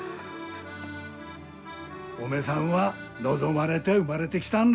おめさんは望まれて生まれてきたんら。